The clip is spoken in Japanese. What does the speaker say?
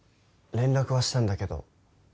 連絡はしたんだけど。